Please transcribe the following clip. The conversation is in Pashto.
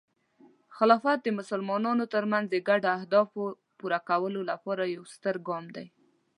خلافت د مسلمانانو ترمنځ د ګډو اهدافو پوره کولو لپاره یو ستر ګام دی.